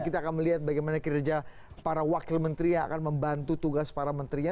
kita akan melihat bagaimana kinerja para wakil menteri yang akan membantu tugas para menterinya